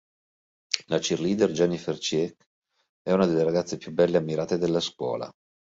La cheerleader Jennifer Check è una delle ragazze più belle e ammirate della scuola.